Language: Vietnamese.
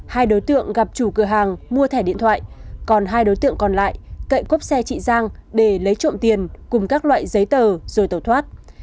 hai đối tượng gặp chủ cửa hàng mua thẻ điện thoại còn hai đối tượng còn lại cậy cốp xe chị giang để lấy trộm tiền cùng các loại giấy tờ rồi tẩu thoát